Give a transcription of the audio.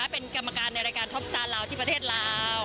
เป็นกรรมการในโทปสตาร์ทลาวที่ประเทศลาว